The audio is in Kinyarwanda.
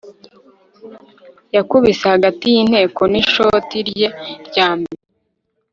yakubise hagati yintego nishoti rye rya mbere